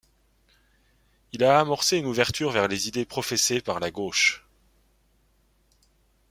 Il a amorcé une ouverture vers les idées professées par la gauche.